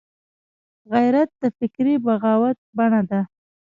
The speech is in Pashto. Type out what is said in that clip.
غیرت د فکري بغاوت بڼه ده